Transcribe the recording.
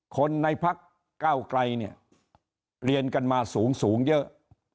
คนในพักเก้าไกลเนี่ยเรียนกันมาสูงเยอะ